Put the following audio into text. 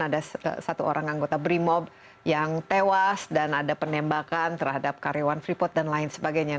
ada satu orang anggota brimob yang tewas dan ada penembakan terhadap karyawan freeport dan lain sebagainya